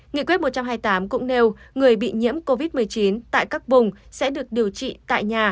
nghị quyết một trăm hai mươi tám cũng nêu người bị nhiễm covid một mươi chín tại các vùng sẽ được điều trị tại nhà